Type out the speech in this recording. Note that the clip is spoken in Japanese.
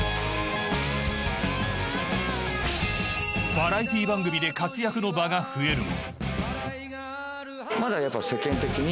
バラエティー番組で活躍の場が増えるも。